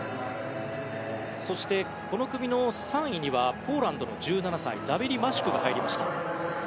そして、この組の３位にはポーランドの１７歳ザベリ・マシュクが入りました。